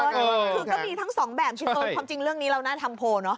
คือก็มีทั้งสองแบบความจริงเรื่องนี้เราน่าทำโพลเนาะ